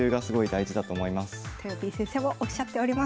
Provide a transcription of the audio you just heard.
とよぴー先生もおっしゃっております。